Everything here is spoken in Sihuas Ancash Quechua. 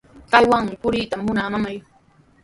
Qamwanmi puriyta munaa, mamay.